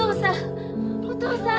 お父さん！